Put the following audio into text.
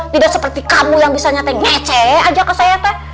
tidak seperti kamu yang bisa nyatain ngece aja kak saya teh